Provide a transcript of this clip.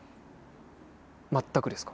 全くですか？